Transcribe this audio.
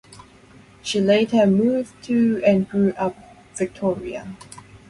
She later moved to and grew up Victoria.